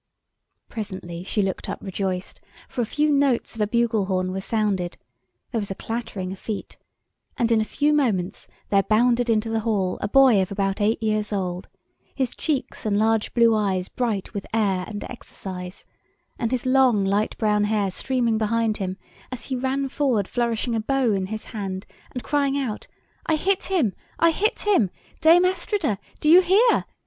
Presently, she looked up rejoiced, for a few notes of a bugle horn were sounded; there was a clattering of feet, and in a few moments there bounded into the hall, a boy of about eight years old, his cheeks and large blue eyes bright with air and exercise, and his long light brown hair streaming behind him, as he ran forward flourishing a bow in his hand, and crying out, "I hit him, I hit him! Dame Astrida, do you hear?